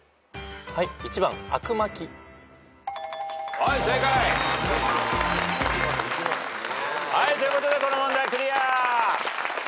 はい正解！ということでこの問題クリア！